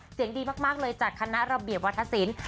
เสียงดีมากเลยจากคณะระเบียบวัฒนศิลป์